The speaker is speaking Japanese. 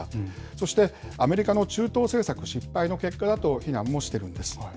そしてアメリカの中東政策の失敗の結果だと非難もしてるんです。